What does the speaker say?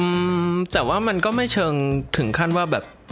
อืมแต่ว่ามันก็ไม่เชิงถึงขั้นว่าแบบ